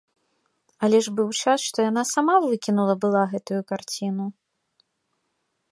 Але ж быў час, што яна сама выкінула была гэтую карціну!